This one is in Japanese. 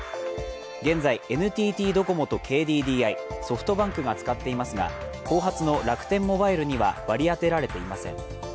現在、ＮＴＴドコモとＫＤＤＩ、ソフトバンクが使っていますが後発の楽天モバイルには割り当てられていません。